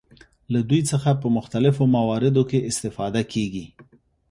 له دوی څخه په مختلفو مواردو کې استفاده کیږي.